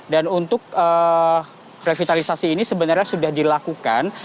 dan untuk revitalisasi ini sebenarnya sudah dilakukan